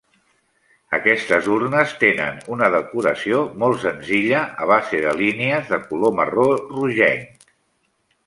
Aquestes urnes tenen una decoració molt senzilla a base de línies de color marró rogenc.